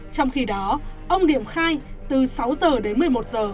trong khi đó ông điểm khai từ sáu giờ đến một mươi một giờ